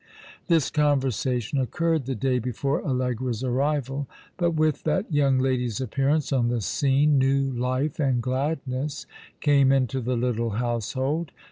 This conversation occurred the day before Allegra's arrival ; but with that young lady's appearance on the scene, new life and gladness came into the little household.